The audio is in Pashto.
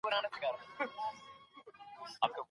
موږ د علتونو پلټنه کوو.